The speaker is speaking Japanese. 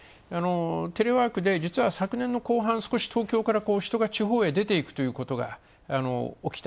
テレワークで実は昨年の後半、少し東京から人が地方へ出ていくということが起きた。